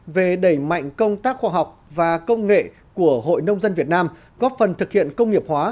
về đẩy mạnh công tác khoa học và công nghệ của hội nông dân việt nam góp phần thực hiện công nghiệp hóa